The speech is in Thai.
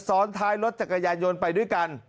ซ้อนท้ายรถจักรยานยนต์ไปด้วยกัน